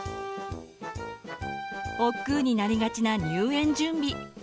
おっくうになりがちな入園準備。